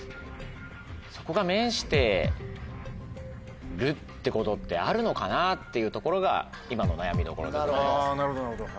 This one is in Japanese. そこが面してるってことってあるのかなっていうところが今の悩みどころでございます。